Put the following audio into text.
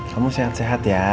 kamu sehat sehat ya